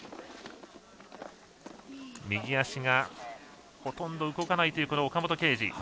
右足がほとんど動かないという岡本圭司。